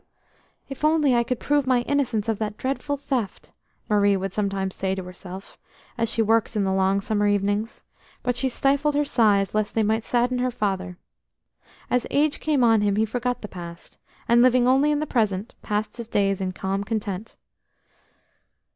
"If only I could prove my innocence of that dreadful theft!" Marie would sometimes say to herself, as she worked in the long summer evenings; but she stifled her sighs lest she might sadden her father. As age came on him he forgot the past, and, living only in the present, passed his days in calm content.